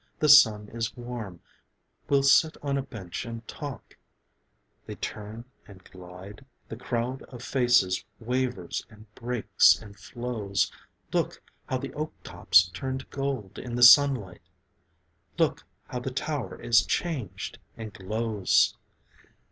.. The sun is warm, We'll sit on a bench and talk ...' They turn and glide, The crowd of faces wavers and breaks and flows. 'Look how the oak tops turn to gold in the sunlight! Look how the tower is changed and glows!'